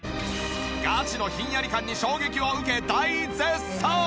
ガチのひんやり感に衝撃を受け大絶賛！